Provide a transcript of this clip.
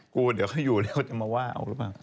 กลัวเดี๋ยวเขาอยู่เดี๋ยวเขาจะมาว่าเอาหรือเปล่า